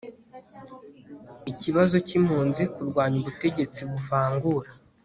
ikibazo k impunzi Kurwanya ubutegetsi buvangura